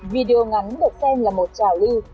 video ngắn được xem là một trải lưu